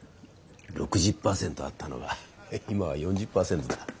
６０％あったのが今は４０％だ。